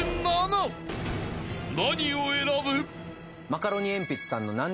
［何を選ぶ？］